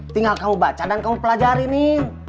tinggal kamu baca dan kamu pelajari nih